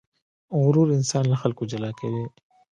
غرور انسان له خلکو جلا کوي.